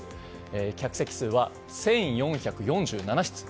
客席数は１４４７室。